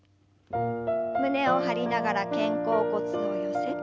胸を張りながら肩甲骨を寄せて。